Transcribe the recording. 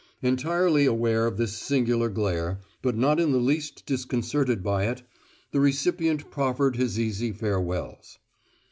Entirely aware of this singular glare, but not in the least disconcerted by it, the recipient proffered his easy farewells.